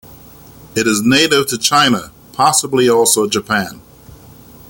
It is native to China, possibly also Japan.